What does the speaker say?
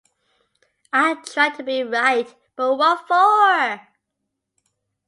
I tried to be right, but what for?